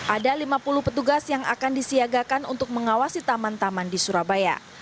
ada lima puluh petugas yang akan disiagakan untuk mengawasi taman taman di surabaya